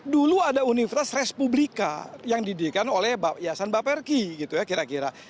dulu ada universitas respublika yang didirikan oleh yayasan baperki gitu ya kira kira